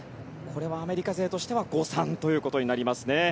これはアメリカ勢としては誤算ということになりますね。